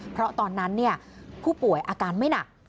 เพราะตอนนั้นผู้ป่วยอาการไม่หนัก